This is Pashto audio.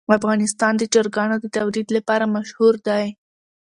افغانستان د چرګانو د تولید لپاره مشهور دی.